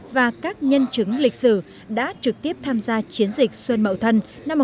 và các nhân chứng lịch sử đã trực tiếp tham gia chiến dịch xuân mậu thuân